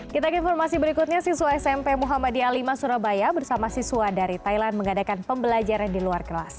kita ke informasi berikutnya siswa smp muhammadiyah lima surabaya bersama siswa dari thailand mengadakan pembelajaran di luar kelas